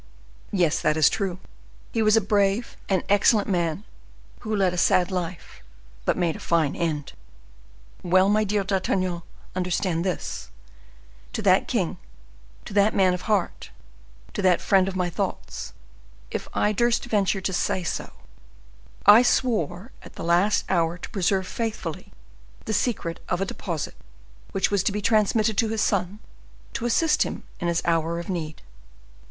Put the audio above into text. "Yes; that is true; he was a brave, an excellent man, who led a sad life, but made a fine end." "Well, my dear D'Artagnan, understand this; to that king, to that man of heart, to that friend of my thoughts, if I durst venture to say so, I swore at the last hour to preserve faithfully the secret of a deposit which was to be transmitted to his son, to assist him in his hour of need.